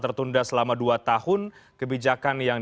seperti berita berita tadi